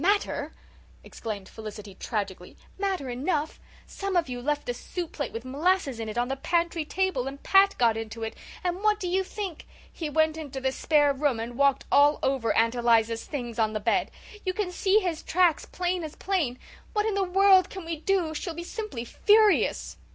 "Matter!" exclaimed Felicity, tragically. "Matter enough! Some of you left a soup plate with molasses in it on the pantry table and Pat got into it and what do you think? He went into the spare room and walked all over Aunt Eliza's things on the bed. You can see his tracks plain as plain. What in the world can we do? She'll be simply furious."